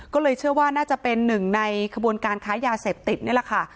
ก็เลยเชื่อว่าน่าจะเป็นหนึ่งในขบวนการค้ายาเสพติดนี่แหละค่ะ